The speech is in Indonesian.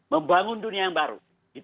membangun dunia yang baru